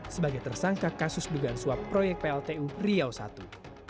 sebagai tersangka kasus dugaan suap proyek pltu riau i